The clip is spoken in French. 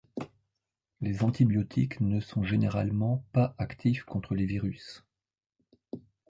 Les antibiotiques ne sont généralement pas actifs contre les virus.